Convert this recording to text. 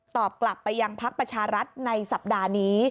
กลับไปยังพักประชารัฐในสัปดาห์นี้